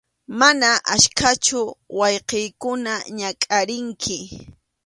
Mana achkachu wawqiykikuna ñakʼarinki.